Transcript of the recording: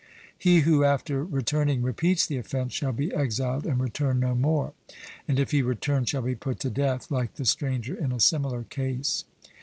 He who after returning repeats the offence, shall be exiled and return no more, and, if he return, shall be put to death, like the stranger in a similar case.